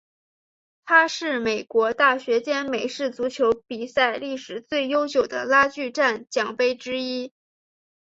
它是美国大学间美式足球比赛历史最悠久的拉锯战奖杯之一。